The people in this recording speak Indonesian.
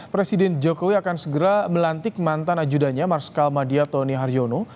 presiden jokowi akan segera melantik mantan ajudanya marskal madia tony haryono